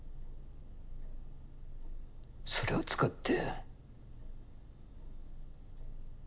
それを使って。